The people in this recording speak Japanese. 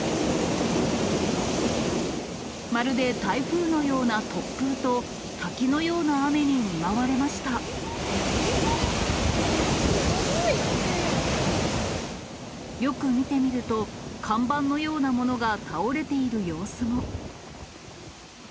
まるで台風のような突風と、うわー、すごい。よく見てみると、看板のようなものが倒れている様子も。